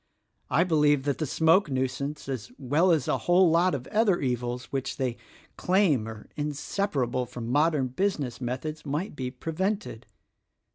I beheve that the smoke nuisance as well as a whole lot of other evils which they claim are inseparable from modern business methods might be prevented.